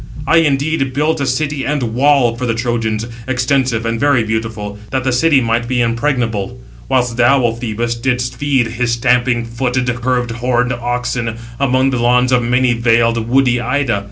I indeed built a city and wall for the Trojans, extensive and very beautiful, that the city might be impregnable; whilst thou, O Phoebus, didst feed, his stamping footed, curved horned oxen, among the lawns of many valed, woody Ida.